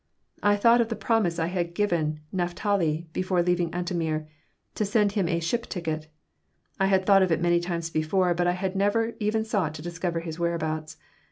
I thought of the promise I had given Naphtali, before leaving Antomir, to send him a "ship ticket." I had thought of it many times before, but I had never even sought to discover his whereabouts.